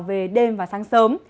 về đêm và sáng sớm